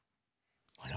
あら？